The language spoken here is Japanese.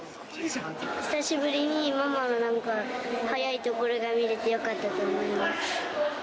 久しぶりに、ママのなんか速いところが見れてよかったと思います。